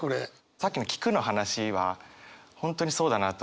さっきの聞くの話は本当にそうだなと思って。